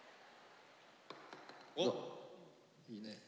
おいいね。